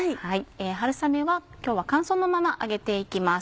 春雨は今日は乾燥のまま揚げていきます。